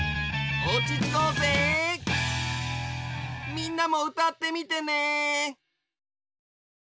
みんなもうたってみてね！